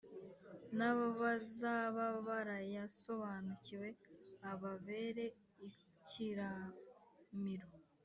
n’abazaba barayasobanukiwe, ababere ikiramiro.